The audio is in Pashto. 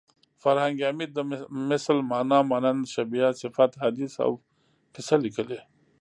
فرهنګ عمید د مثل مانا مانند شبیه صفت حدیث او قصه لیکلې